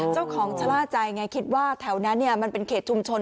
เจ้าของชาว่าใจไงคิดว่าแถวนั้นเนี่ยมันเป็นเขตชุมชน